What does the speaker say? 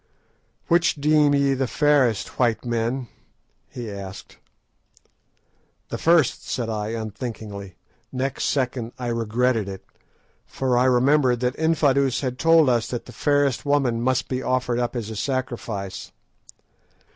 "Which deem ye the fairest, white men?" he asked. "The first," said I unthinkingly. Next second I regretted it, for I remembered that Infadoos had told us that the fairest woman must be offered up as a sacrifice.